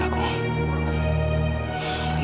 gak akan lalu apapun